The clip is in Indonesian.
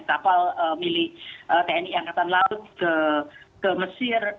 kapal milik tni angkatan laut ke mesir